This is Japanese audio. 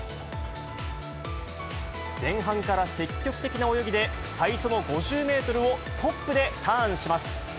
前半から積極的な泳ぎで、最初の５０メートルをトップでターンします。